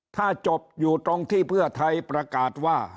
ถ้าจบอยู่ตรงที่เพื่อไทยประกาศว่า